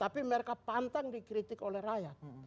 tapi mereka pantang dikritik oleh rakyat